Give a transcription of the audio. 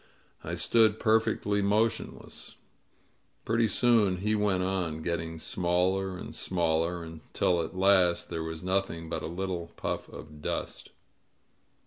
I stood perfectly motionless. Pretty soon he went on, getting smaller and smaller, until at last there was nothing but a little puff of dust.